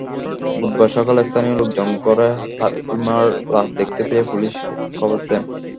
বুধবার সকালে স্থানীয় লোকজন ঘরে হালিমার লাশ দেখতে পেয়ে পুলিশে খবর দেন।